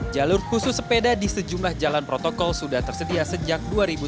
jalur khusus sepeda di sejumlah jalan protokol sudah tersedia sejak dua ribu sembilan belas